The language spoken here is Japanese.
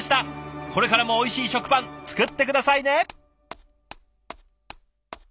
これからもおいしい食パン作って下さいね！